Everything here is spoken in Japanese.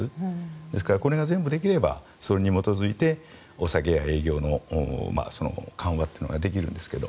ですから、これが全部できればそれに基づいてお酒や営業の緩和というのができるんですけど